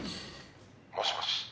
「もしもし」